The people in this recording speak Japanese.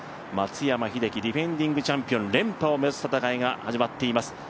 松山英樹ディフェンディングチャンピオン、連覇を目指す戦いが始まっています。